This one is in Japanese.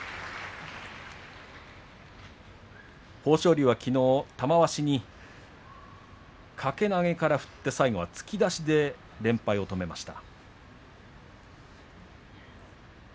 豊昇龍は、きのう玉鷲に掛け投げから振って最後は突き出しで連敗を止めました。